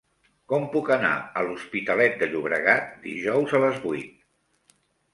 Com puc anar a l'Hospitalet de Llobregat dijous a les vuit?